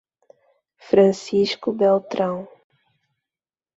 Francisco Beltrão